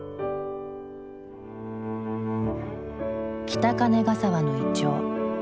北金ヶ沢のイチョウ。